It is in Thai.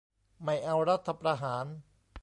ไม่เอารัฐประหาร